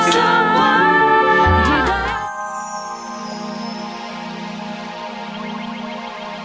hidayah sengkuasa ada untuk kita